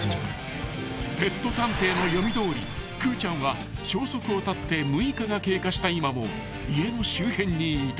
［ペット探偵の読みどおりくーちゃんは消息を絶って６日が経過した今も家の周辺にいた］